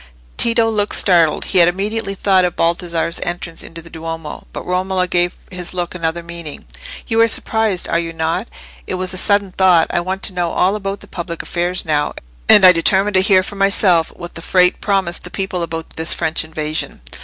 Tito looked startled; he had immediately thought of Baldassarre's entrance into the Duomo; but Romola gave his look another meaning. "You are surprised, are you not? It was a sudden thought. I want to know all about the public affairs now, and I determined to hear for myself what the Frate promised the people about this French invasion."